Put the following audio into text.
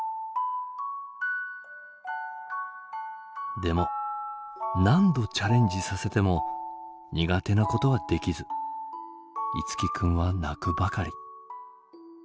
でも何度チャレンジさせても苦手なことはできず樹君は泣くばかり。